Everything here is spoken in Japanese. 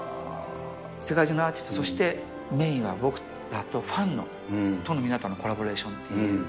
世界中のアーティスト、そしてメインは僕らとファンのみんなとのコラボレーションっていう。